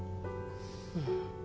うん。